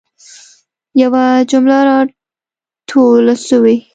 یوه جمله را توله سوي.